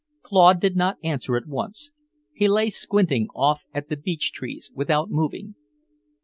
Claude did not answer at once. He lay squinting off at the beech trees, without moving.